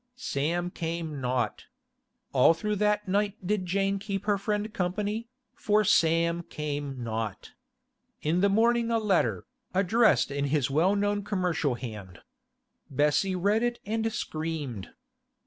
Sam came not. All through that night did Jane keep her friend company, for Sam came not. In the morning a letter, addressed in his well known commercial hand. Bessie read it and screamed.